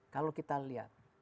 kalau kita lihat